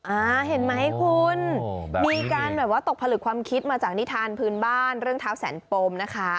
อ่าเห็นไหมคุณมีการแบบว่าตกผลึกความคิดมาจากนิทานพื้นบ้านเรื่องเท้าแสนปมนะคะ